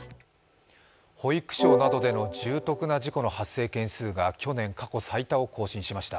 保育所などでの重篤な事故の発生件数が去年過去最多を更新しました。